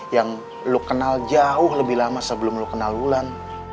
yang lu kenal jauh lebih lama sebelum lu kenal bulan